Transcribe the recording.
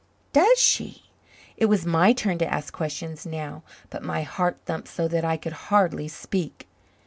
"Does she?" It was my turn to ask questions now, but my heart thumped so that I could hardly speak.